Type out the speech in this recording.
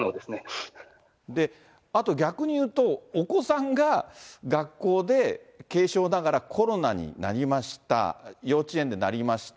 あと逆に言うと、お子さんが学校で軽症だから、コロナになりました、幼稚園でなりました。